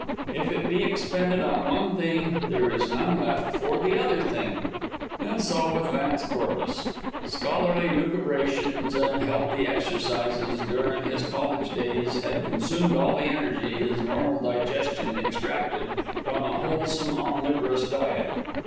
If it be expended on one thing, there is none left for the other thing. And so with Vance Corliss. Scholarly lucubrations and healthy exercises during his college days had consumed all the energy his normal digestion extracted from a wholesome omnivorous diet.